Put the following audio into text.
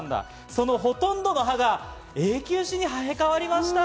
そのほとんどの歯が永久歯に生え変わりました！